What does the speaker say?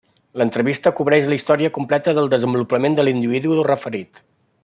L'entrevista cobreix la història completa del desenvolupament de l'individu referit.